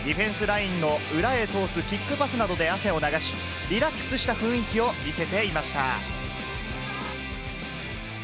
ディフェンスラインの裏へ通すキックパスなどで汗を流し、リラックスした雰囲気を見せていました。